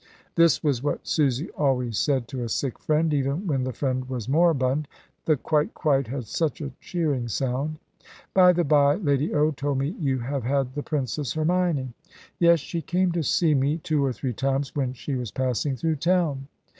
This was what Susie always said to a sick friend, even when the friend was moribund. The "quite, quite" had such a cheering sound. "By the by, Lady O. told me you have had the Princess Hermione?" "Yes, she came to see me two or three times when she was passing through town."